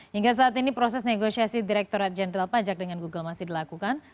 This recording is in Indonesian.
hingga saat ini proses negosiasi direkturat jenderal pajak dengan google masih dilakukan